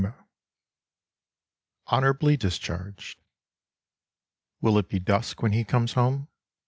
51 " HONORABLY DISCHARGED " Will it be dusk when he comes home?